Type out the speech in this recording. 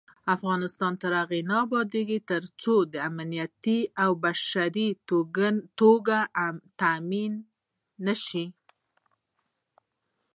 افغانستان تر هغو نه ابادیږي، ترڅو امنیت په بشپړه توګه تامین نشي.